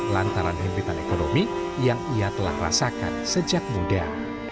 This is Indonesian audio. lantaran hempitan ekonomi yang ia telah rasakan sejak muda